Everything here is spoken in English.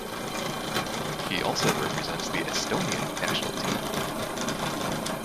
He also represents the Estonian national team.